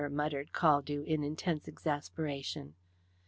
muttered Caldew, in intense exasperation.